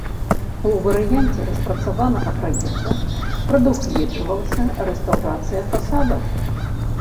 У варыянце распрацаванага праекта прадугледжвалася рэстаўрацыя фасадаў.